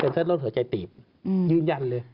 เส้นเลือดหัวใจตีบยืนยันเลย